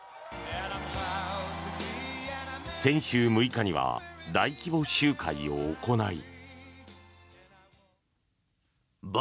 先週６日には大規模集会を行い。